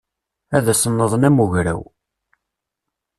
Ad as-nnḍen am ugraw.